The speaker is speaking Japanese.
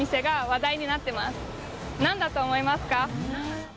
なんだと思いますか？